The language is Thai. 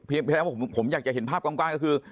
เพราะฉะนั้นผมอยากจะเห็นภาพกลางก็คือ